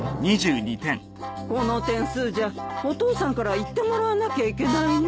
この点数じゃお父さんから言ってもらわなきゃいけないね。